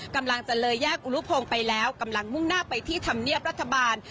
กำลังจะเลยแยกอุรุพงศ์ไปแล้วกำลังมุ่งหน้าไปที่ธรรมเนียบรัฐบาล